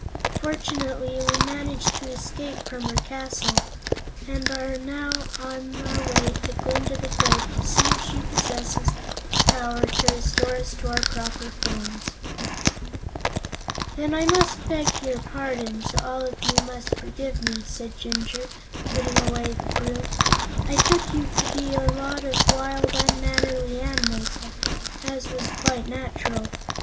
"Fortunately, we managed to escape from her castle, and we are now on our way to Glinda the Good to see if she possesses the power to restore us to our former shapes." "Then I must beg your pardons; all of you must forgive me," said Jinjur, putting away the broom. "I took you to be a lot of wild, unmannerly animals, as was quite natural.